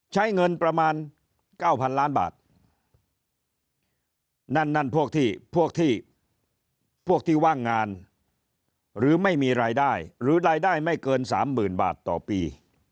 ใช้เงินประมาณ๙๐๐ล้านบาทนั่นนั่นพวกที่พวกที่พวกที่ว่างงานหรือไม่มีรายได้หรือรายได้ไม่เกิน๓๐๐๐บาทต่อปี